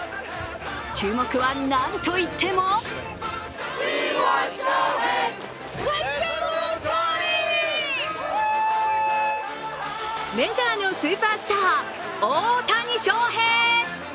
注目はなんといってもメジャーのスーパースター大谷翔平！